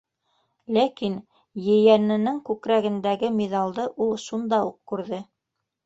Ләкин ейәненең күкрәгендәге миҙалды ул шунда уҡ күрҙе.